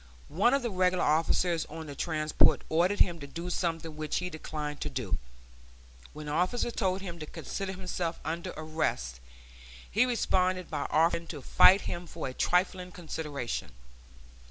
One of the regular officers on the transport ordered him to do something which he declined to do. When the officer told him to consider himself under arrest, he responded by offering to fight him for a trifling consideration.